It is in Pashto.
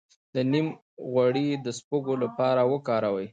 د نیم غوړي د سپږو لپاره وکاروئ